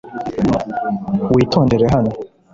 Witondere hano